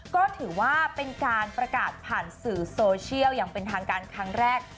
ก็ถือว่าเป็นการประกาศผ่านสื่อโซเชียลอย่างเป็นทางการครั้งแรก